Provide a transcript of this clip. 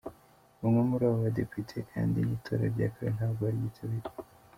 Bamwe muri abo badepite kandi n’itora rya kabiri ntabwo baryitabiriye.